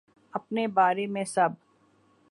اپنے بارے میں سب